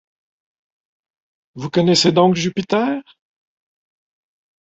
Vous connaissez donc Jupiter ?